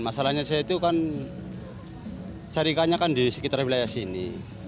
masalahnya saya itu kan carikannya kan di sekitar wilayah sini